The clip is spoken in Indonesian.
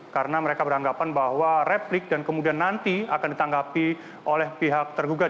karena mereka beranggapan bahwa replik dan kemudian nanti akan ditanggapi oleh pihak tergugat